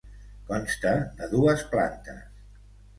Consta de dues plantes.